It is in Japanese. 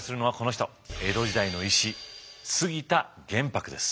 江戸時代の医師杉田玄白です。